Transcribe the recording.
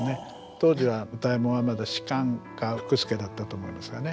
当時は歌右衛門はまだ芝か福助だったと思いますがね。